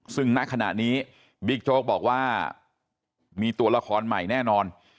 ซึ่งณขณะนี้บิ๊กโจ๊กบอกว่ามีตัวละครใหม่แน่นอน